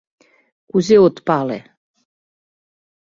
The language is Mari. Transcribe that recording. — Кузе от пале!